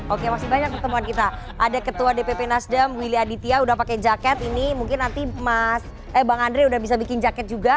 oke masih banyak pertemuan kita ada ketua dpp nasdem willy aditya udah pakai jaket ini mungkin nanti mas eh bang andre udah bisa bikin jaket juga